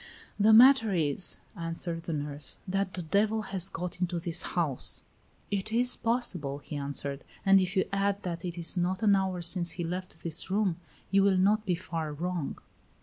"The matter is," answered the nurse, "that the devil has got into this house." "It is possible," he answered; "and if you add that it is not an hour since he left this room, you will not be far wrong."